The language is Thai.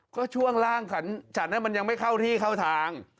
ก็ช่วงล่างฉันมันยังไม่เข้าที่เข้าทาง